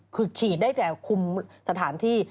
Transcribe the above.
คือฉีดได้แต่คุมสถานที่